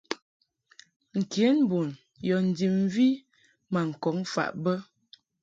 Nkenbun yɔ ndib mvi ma ŋkɔŋ faʼ bə.